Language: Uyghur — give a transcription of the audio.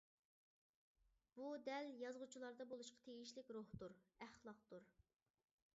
بۇ دەل يازغۇچىلاردا بولۇشقا تېگىشلىك روھتۇر، ئەخلاقتۇر.